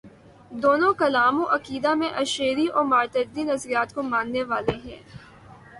دونوں کلام و عقیدہ میں اشعری و ماتریدی نظریات کو ماننے والے ہیں۔